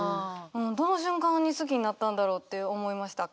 どの瞬間に好きになったんだろうって思いました。